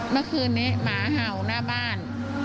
เมื่อคืนนี้หมาเห่าหน้าบ้าน